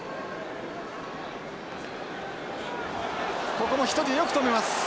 ここも１人でよく止めます。